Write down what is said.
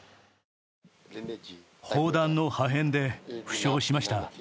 砲弾の破片で負傷しました。